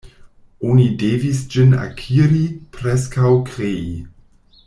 Oni devis ĝin akiri, preskaŭ krei.